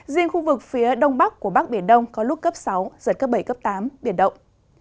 riêng khu vực phía đông bắc của bắc biển đông có lúc cấp sáu giật cấp bảy cấp tám biển động